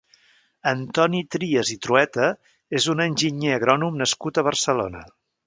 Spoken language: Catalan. Antoni Trias i Trueta és un enginyer agrònom nascut a Barcelona.